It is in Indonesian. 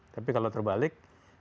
tapi kalau terbalik